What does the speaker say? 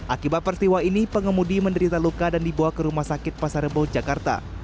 akibat peristiwa ini pengemudi menderita luka dan dibawa ke rumah sakit pasar rebo jakarta